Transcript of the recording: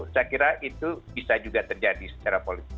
saya kira itu bisa juga terjadi secara politik